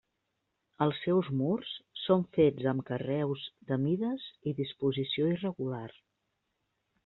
Els seus murs són fets amb carreus de mides i disposició irregular.